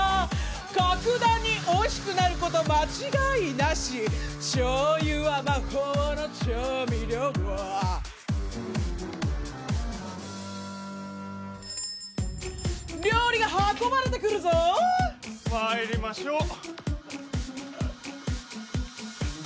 格段においしくなること間違いなし醤油は魔法の調味料料理が運ばれてくるぞまいりましょう